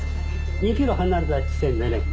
２ｋｍ離れた地点でね